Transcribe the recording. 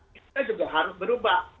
kita juga harus berubah